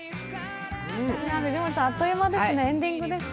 藤森さん、あっという間ですね、エンディングです。